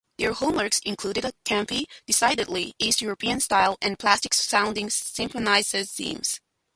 Their hallmarks include a campy, decidedly "East European" style and plastic-sounding synthesizer themes.